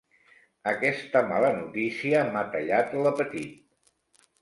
Aquesta mala notícia m'ha tallat l'apetit.